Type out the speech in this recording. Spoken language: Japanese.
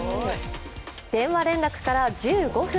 電話連絡から１５分。